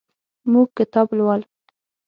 موږ کتاب لولو.